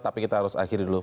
tapi kita harus akhiri dulu